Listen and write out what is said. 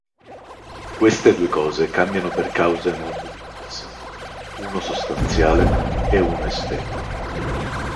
Queste due cose cambiano per cause molto diverse: uno sostanziale e uno estetico.